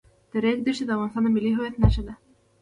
د ریګ دښتې د افغانستان د ملي هویت نښه ده.